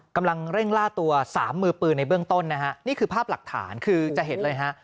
กำลังเร่งล่าตัวสามมือปืนในเบื้องต้นนะฮะนี่คือภาพหลักฐานคือจะเห็นเลยฮะ